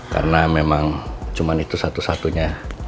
karena memang cuman itu satu satunya